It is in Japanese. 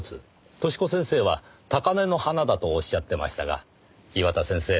寿子先生は高嶺の花だと仰ってましたが岩田先生